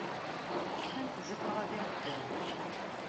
Cfant-d i ṭṭrad iɛeddan.